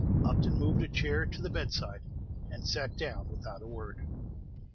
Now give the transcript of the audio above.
Upton moved a chair to the bedside, and sat down without a word.